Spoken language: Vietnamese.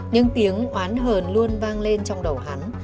những tiếng oán hờn luôn vang lên trong đầu hắn